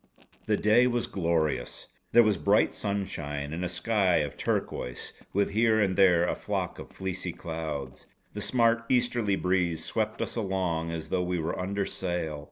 The day was glorious. There was bright sunshine; and a sky of turquoise with here and there a flock of fleecy clouds. The smart easterly breeze swept us along as though we were under sail.